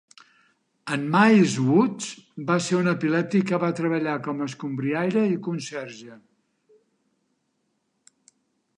En Miles Woods va ser un epilèptic que va treballar com a escombriaire i conserge.